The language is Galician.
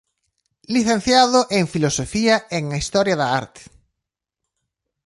Licenciado en Filosofía e en Historia da Arte.